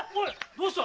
どうした？